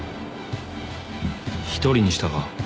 １人にしたか？